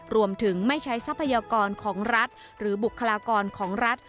รวมถึงไม่ใช้ทรัพยากรของรัฐหรือบุคลากรของรัฐ